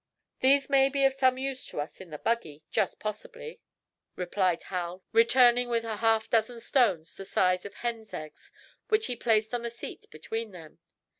"These may be of some use to us in the buggy; just possibly," replied Hal, returning with a half dozen stones, the size of hens' eggs, which he placed on the seat between them.